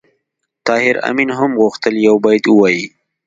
طاهر آمین هم غوښتل یو بیت ووایي